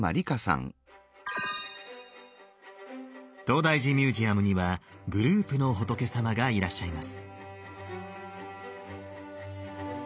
東大寺ミュージアムにはグループの仏様がいらっしゃいます。